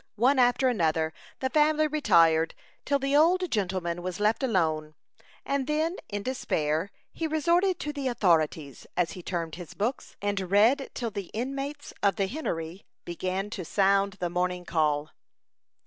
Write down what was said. One after another the family retired, till the old gentleman was left alone, and then, in despair, he resorted to the "authorities" as he termed his books, and read till the inmates of the hennery began to sound the morning call.